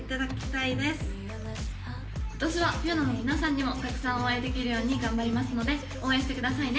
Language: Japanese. ことしはＦＥＡＲＮＯＴの皆さんにもたくさんお会いできるよう頑張りますので応援してくださいね。